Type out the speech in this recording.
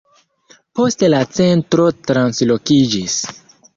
Poste la centro translokiĝis.